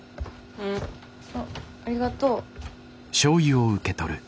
あっありがとう。